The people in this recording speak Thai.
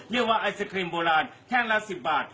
เรียกว่าไอศครีมโบราณแท่งละ๑๐บาท